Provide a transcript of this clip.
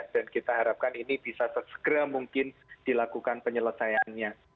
dan kita harapkan ini bisa sesegera mungkin dilakukan penyelesaiannya